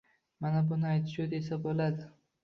Mana buni aytishuv desa buladi